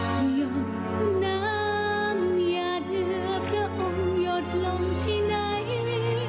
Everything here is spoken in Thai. หยดน้ำอย่าดื้อพระองค์หยดลงที่ไหน